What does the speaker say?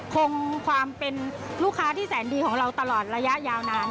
คงความเป็นลูกค้าที่แสนดีของเราตลอดระยะยาวนาน